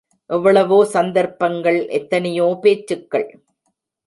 எவ்வளவோ சந்தர்ப்பங்கள் எத்தனையோ பேச்சுக்கள்.